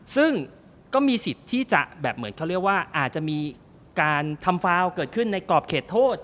ซึ่งก็มีสิทธิ์ที่จะแบบเหมือนเขาเรียกว่าอาจจะมีการทำฟาวเกิดขึ้นในกรอบเขตโทษ